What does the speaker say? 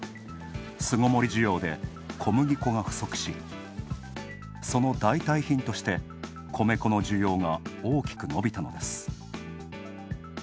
巣ごもり需要で小麦粉が不足し、その代替品として、米粉の需要が大きく伸びたのです。